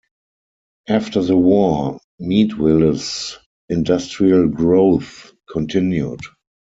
After the war, Meadville's industrial growth continued.